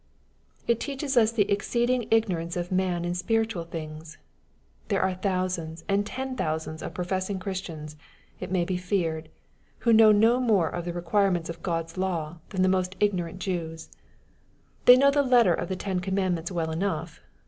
It teaches us the exceeding ignorance of man in epiritiml things. There are thousands and ten thousands of professing Christians, it may be feared, who know no more of the requirements of God's law than the most ignorant Jews. They know the letter of the ten com mandments well enough.